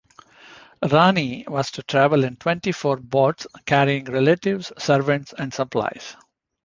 Rani was to travel in twenty four boats, carrying relatives, servants and supplies.